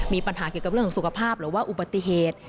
มีปัญหาเกี่ยวกับเรื่องของสุขภาพหรือว่าอุบัติเหตุ